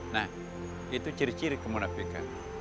nah itu ciri ciri kemunafikan